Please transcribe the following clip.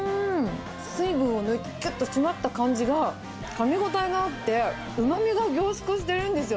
水分を抜いてぎゅっとしまった感じが、かみ応えがあって、うまみが凝縮してるんですよ。